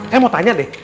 saya mau tanya deh